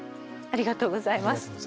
ありがとうございます。